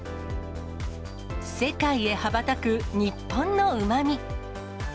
世界へ羽ばたく日本のうまみ。